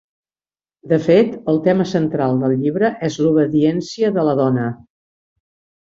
De fet, el tema central del llibre és l'obediència de la dona.